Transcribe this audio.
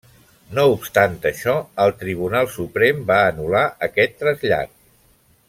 No obstant això, el Tribunal Suprem va anul·lar aquest trasllat.